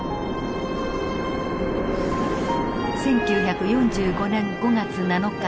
１９４５年５月７日。